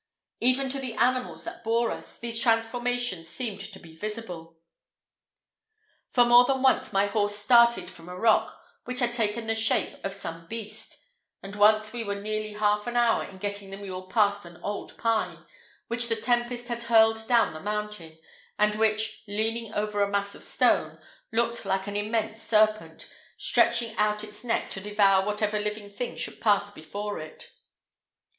Even to the animals that bore us, these transformations seemed to be visible, for more than once my horse started from a rock which had taken the shape of some beast; and once we were nearly half an hour in getting the mule past an old pine, which the tempest had hurled down the mountain, and which, leaning over a mass of stone, looked like an immense serpent, stretching out its neck to devour whatever living thing should pass before it.